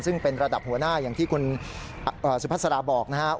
ซึ่งเป็นระดับหัวหน้าอย่างที่คุณสุภาษาบอกนะครับ